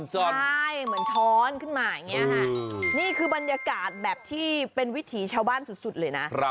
ใช่เหมือนช้อนขึ้นมาอย่างนี้ค่ะนี่คือบรรยากาศแบบที่เป็นวิถีชาวบ้านสุดเลยนะ